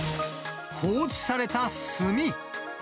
放置された炭。